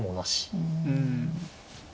うん。